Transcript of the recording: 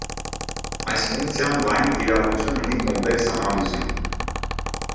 Այս ֆունկցիան լայն կիրառություն ունի կոմպլեքս անալիզում։